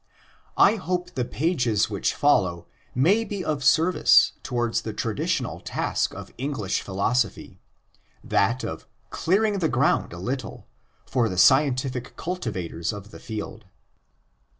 1 hope the pages which follow may be of service towards the traditional task of English philosophy—that of "clearing the ground a little' for the scientific cultivators of the field.